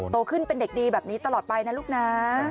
โตขึ้นเป็นเด็กดีแบบนี้ตลอดไปนะลูกนะ